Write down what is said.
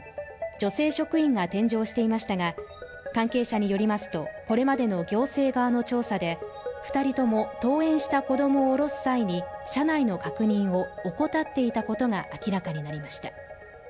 女性職員が添乗していましたが関係者によりますとこれまでの行政側の調査で二人とも登園した子供を降ろす際に車内の確認を怠っていたことが明らかになりました。